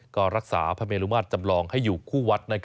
ก็รักษาพระเมลุมาตรจำลองให้อยู่คู่วัด